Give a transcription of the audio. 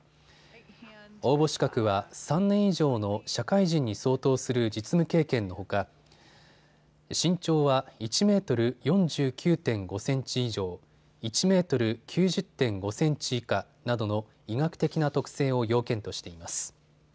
応募資格は３年以上の社会人に相当する実務経験のほか身長は１メートル４９．５センチ以上、１メートル９０．５センチ以下などの医学的な特性を要件としています。